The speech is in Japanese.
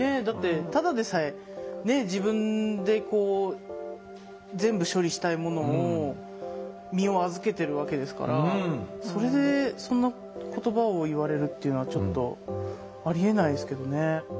だってただでさえ自分で全部処理したいものを身を預けてるわけですからそれでそんな言葉を言われるっていうのはちょっとありえないですけどね。